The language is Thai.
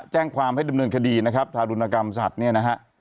แจ้งความให้ดำเนินคดีนะครับทารุณกรรมสัตว์เนี่ยนะฮะ